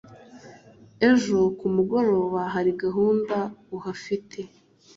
ejo kumugoroba hari gahunda uhafite